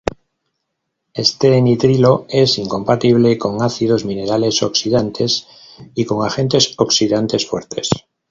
Este nitrilo es incompatible con ácidos minerales oxidantes y con agentes oxidantes fuertes.